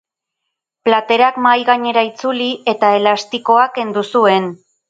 Platerak mahai gainera itzuli eta elastikoa kendu zuen.